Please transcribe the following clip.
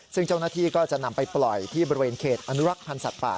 ซึ่งเจ้าหน้าที่ก็จะนำไปปล่อยที่บริเวณเขตอนุรักษ์พันธ์สัตว์ป่า